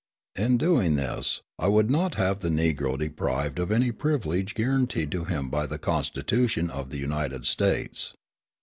In doing this, I would not have the Negro deprived of any privilege guaranteed to him by the Constitution of the United States.